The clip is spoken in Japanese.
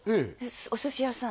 お寿司屋さん？